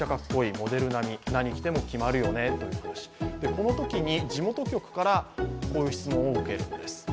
このときに地元局から、こういう質問を受けるんです。